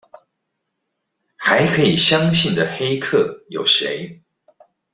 還可以相信的黑客有誰？